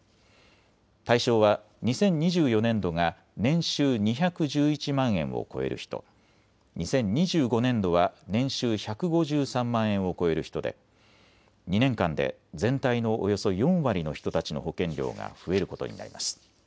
対象は２０２４年度が年収２１１万円を超える人、２０２５年度は年収１５３万円を超える人で２年間で全体のおよそ４割の人たちの保険料が増えることになります。